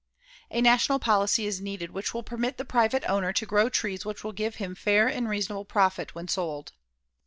A national policy is needed which will permit the private owner to grow trees which will give him fair and reasonable profit when sold.